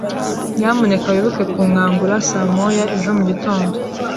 Nyamuneka wibuke kunkangura saa moya ejo mugitondo.